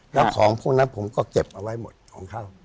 แล้วของพวกนั้นผมก็เก็บเอาไว้หมดของเขา